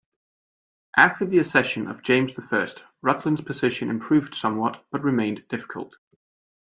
After the accession of James the First, Rutland's position improved somewhat, but remained difficult.